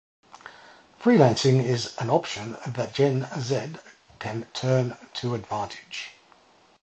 Freelancing is an option that Gen Z can turn to advantage.